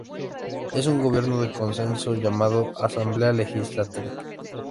Es un gobierno de consenso llamado Asamblea Legislativa.